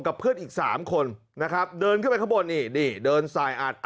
กับเพื่อนอีก๓คนนะครับเดินเข้าไปข้างบนนี่เดินซายอาด